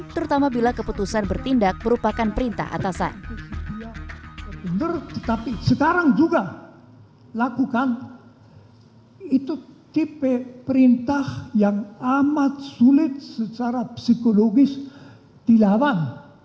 terutama bila keputusan bertindak merupakan perintah atasan